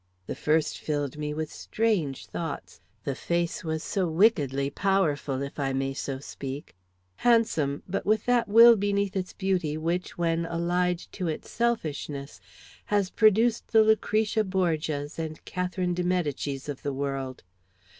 The first filled me with strange thoughts, the face was so wickedly powerful, if I may so speak; handsome, but with that will beneath its beauty which, when allied to selfishness, has produced the Lucretia Borgias and Catherine de Medicis of the world.